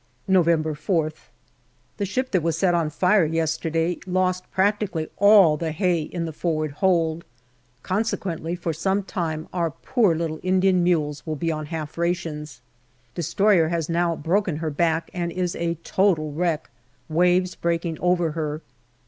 November 4 th. The ship that was set on fire yesterday lost practically all the hay in the forward hold. Consequently, for some time our poor little Indian mules will be on half rations. Destroyer has now broken her back and is a total wreck, waves breaking over her.